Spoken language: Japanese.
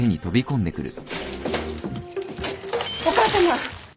お母さま。